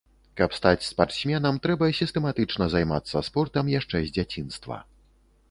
Каб стаць спартсменам, трэба сістэматычна займацца спортам яшчэ з дзяцінства.